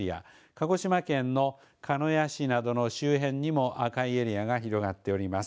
鹿児島県の鹿屋市などの周辺にも赤いエリアが広がっております。